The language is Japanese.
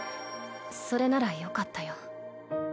それならよかったよ。